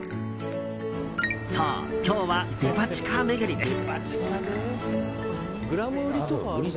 そう、今日はデパ地下巡りです。